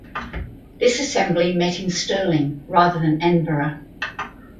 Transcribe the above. This Assembly met in Stirling rather than Edinburgh.